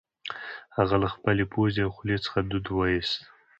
هغه له خپلې پوزې او خولې څخه دود وایوست